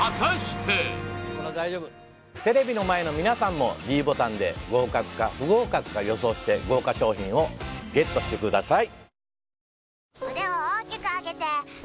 テレビの前の皆さんもｄボタンで合格か不合格か予想して豪華賞品をＧＥＴしてください